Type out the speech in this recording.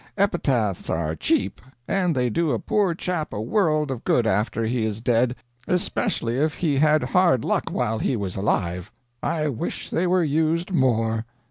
Epitaphs are cheap, and they do a poor chap a world of good after he is dead, especially if he had hard luck while he was alive. I wish they were used more.